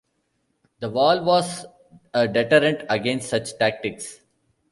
The wall was a deterrent against such tactics.